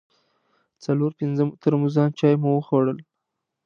څلور پنځه ترموزان چای مو وخوړل.